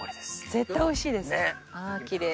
絶対おいしいですねあキレイ。